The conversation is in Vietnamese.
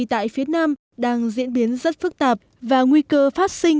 tại phía nam đang diễn biến rất phức tạp và nguy cơ phát sinh